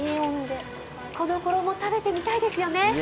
この衣、食べてみたいですよね？